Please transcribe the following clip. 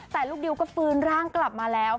แต่ลูกดิวก็ฟื้นร่างกลับมาแล้ว